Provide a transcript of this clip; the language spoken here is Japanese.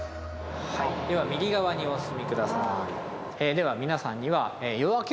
では右側にお進みください。